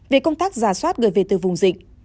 về công tác giả soát người về từ vùng dịch